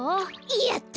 やった！